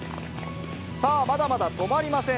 さあ、まだまだ止まりません。